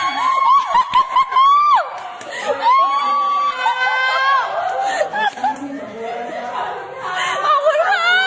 เนี่ยหนูเป็นคนหายคลิปแล้วมันเยี่ยมสุด